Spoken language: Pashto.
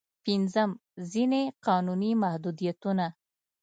پنځم: ځينې قانوني محدودیتونه.